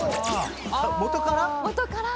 元から？